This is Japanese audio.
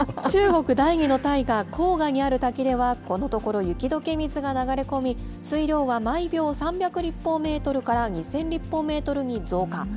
中国第２の大河、黄河にある滝では、このところ、雪どけ水が流れ込み、水量は毎秒３００立方メートルから２０００立方メートルに増加。